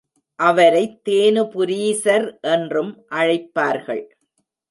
அவரைத் தேனுபுரீசர் என்றும் அழைப்பார்கள்.